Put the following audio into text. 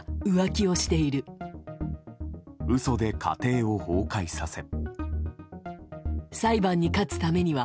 嘘で家庭を崩壊させ。